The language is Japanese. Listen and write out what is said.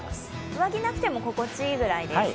上着なくても心地いいぐらいです。